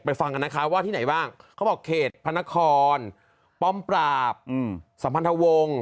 ฟังกันนะคะว่าที่ไหนบ้างเขาบอกเขตพระนครป้อมปราบสัมพันธวงศ์